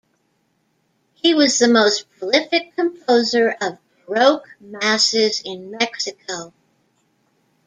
He was the most prolific composer of Baroque masses in Mexico.